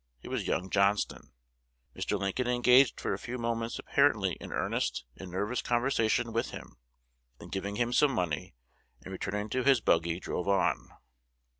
It was young Johnston. Mr. Lincoln engaged for a few moments apparently in earnest and nervous conversation with him, then giving him some money, and returning to his buggy, drove on.